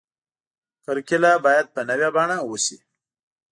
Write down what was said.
کرکیله باید په نوې بڼه وشي.